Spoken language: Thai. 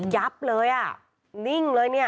ับเลยอ่ะนิ่งเลยเนี่ย